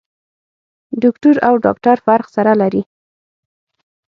دوکتور او ډاکټر فرق سره لري.